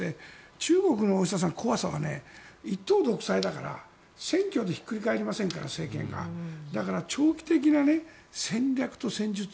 中国の怖さは一党独裁だから選挙で政権がひっくり返りませんからだから長期的な戦略と戦術